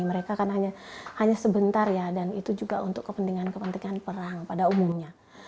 mereka kan hanya sebentar ya dan itu juga untuk kepentingan kepentingan perang pada umumnya